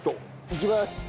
いきます。